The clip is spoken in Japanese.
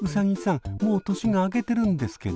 もう年が明けてるんですけど。